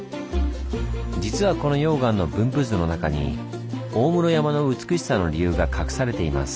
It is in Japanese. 実はこの溶岩の分布図の中に大室山の美しさの理由が隠されています。